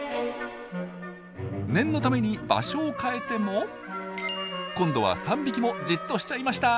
念のために場所を変えても今度は３匹もじっとしちゃいました！